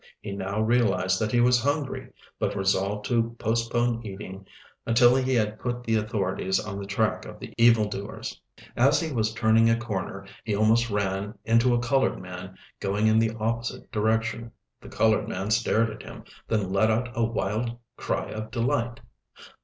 He now realized that he was hungry, but resolved to postpone eating until he had put the authorities on the track of the evildoers. As he was turning a corner he almost ran into a colored man going in the opposite direction. The colored man stared at him, then let out a wild cry of delight.